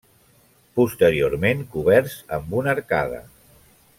Posteriorment coberts amb una arcada.